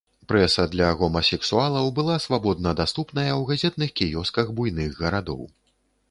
Прэса для гомасексуалаў была свабодна даступная ў газетных кіёсках буйных гарадоў.